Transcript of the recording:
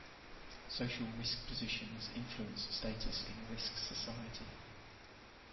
Social risk positions influence status in risk society.